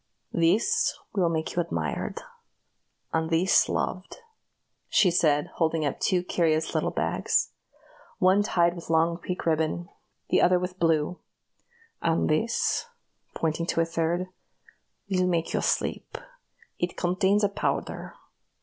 This will make you admired, and this loved," she said, holding up two curious little bags one tied with long pink ribbon, the other with blue "and this," pointing to a third, "will make you sleep. It contains a powder.